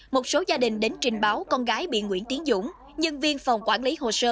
một số gia đình đến trình báo con gái bị nguyễn tiến dũng nhân viên phòng quản lý hồ sơ